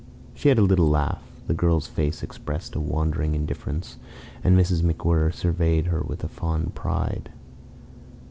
She had a little laugh. The girl's face expressed a wandering indifference, and Mrs. MacWhirr surveyed her with fond pride.